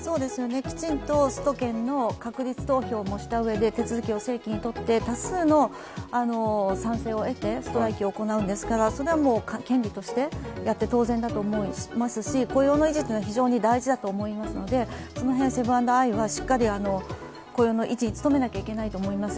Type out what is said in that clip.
きちんとスト権の確立投票をした方がいいし多数の賛成を得てストライキを行うんですが、それは権利としてやって当然だと思いますし、雇用の維持というのは非常に大事だと思いますので、その辺、セブン＆アイは雇用の維持に努めなきゃいけないと思います。